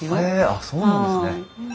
あっそうなんですね。